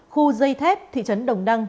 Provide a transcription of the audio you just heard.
khu dây thép thị trấn đồng đăng